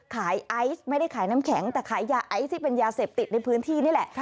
ไอซ์ไม่ได้ขายน้ำแข็งแต่ขายยาไอซ์ที่เป็นยาเสพติดในพื้นที่นี่แหละ